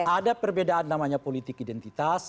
ada perbedaan namanya politik identitas